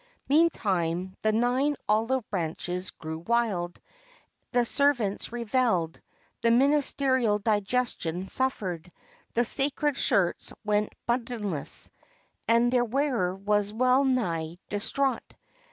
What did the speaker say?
Meantime the nine olive branches grew wild, the servants revelled, the ministerial digestion suffered, the sacred shirts went buttonless, and their wearer was wellnigh distraught.